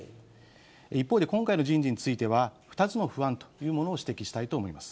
一方で今回の人事については、２つの不安というものを指摘したいと思います。